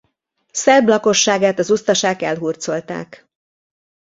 Szerb lakosságát az usztasák elhurcolták.